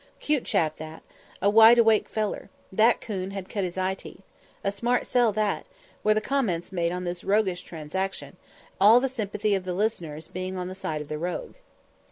"'Cute chap that;" "A wide awake feller;" "That coon had cut his eye teeth;" "A smart sell that;" were the comments made on this roguish transaction, all the sympathy of the listeners being on the side of the rogue.